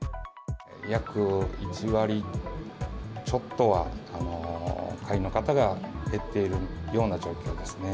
約１割ちょっとは会員の方が減っているような状況ですね。